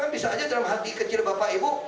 bisa aja dalam hati kecil bapak ibu